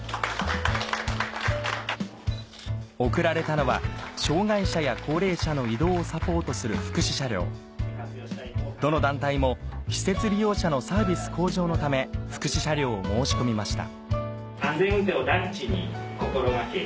贈られたのは障がい者や高齢者の移動をサポートする福祉車両どの団体も施設利用者のサービス向上のため福祉車両を申し込みました